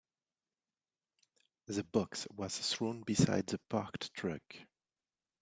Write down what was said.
The box was thrown beside the parked truck.